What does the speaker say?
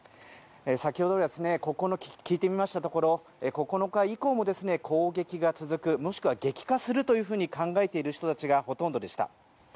先ほど、聞いてみましたところ９日以降も攻撃が続くもしくは激化するというふうに考えている人たちがほとんどでした。